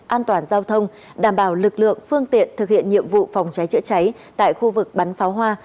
an toàn giao thông đảm bảo lực lượng phương tiện thực hiện nhiệm vụ phòng cháy chữa cháy tại khu vực bắn pháo hoa